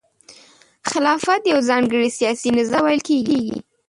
خلافت یو ځانګړي سیاسي نظام ته ویل کیږي.